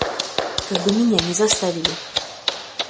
Как бы меня не заставили.